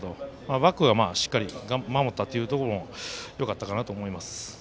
バックがしっかり守ったところもよかったかなと思います。